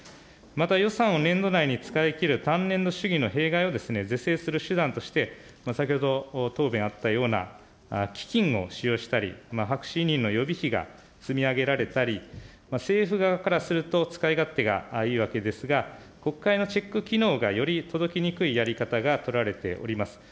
また予算を年度内に使い切る単年度主義の弊害を是正する手段として、先ほど、答弁あったような基金を使用したり、白紙委任の予備費が積み上げられたり、政府側からすると、使い勝手がいいわけですが、国会のチェック機能がより届きにくいやり方が取られております。